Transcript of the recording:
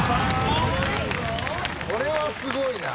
これはすごいな。